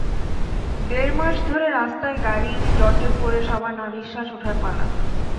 দেড় মাস ধরে রাস্তায় গাড়ির জটে পড়ে সবার নাভিশ্বাস ওঠার পালা।